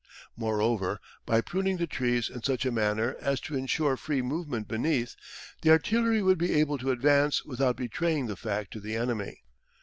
Moreover, by pruning the trees in such a manner as to ensure free movement beneath, the artillery would be able to advance without betraying the fact to the enemy.